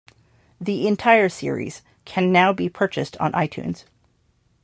The entire series can now be purchased on iTunes.